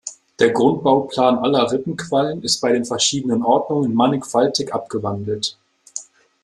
Der Grundbauplan aller Rippenquallen ist bei den verschiedenen Ordnungen mannigfaltig abgewandelt.